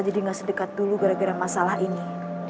jadi gak sedekat dulu gara gara masalah ini